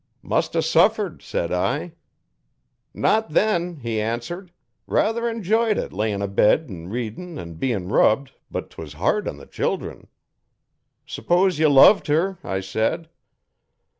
"Must o' suffered," said I. '"Not then," he answered. "Ruther enjoyed it layin' abed an' readin' an' bein' rubbed, but 'twas hard on the children." '"S'pose ye loved her," I said.